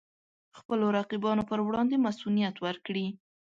خپلو رقیبانو پر وړاندې مصئونیت ورکړي.